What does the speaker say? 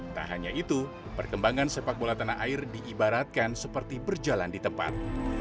tak hanya itu perkembangan sepak bola tanah air diibaratkan seperti berjalan di tempat